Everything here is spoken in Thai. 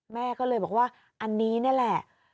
แม่ก็เลยบอกว่าอันนี้นี่แหละ